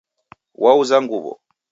Wauza nguw'o